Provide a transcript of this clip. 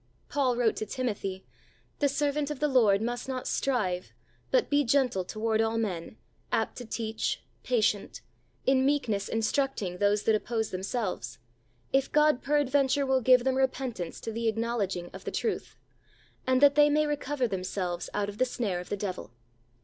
Paul wrote to Timothy, "The servant of the Lord must not strive, but be gentle to ward all men, apt to teach, patient; in meek ness instructing those that oppose them selves, if God peradventure will give them repentance to the acknowledging of the truth; and that they may recover themselves out of the snare of the devil."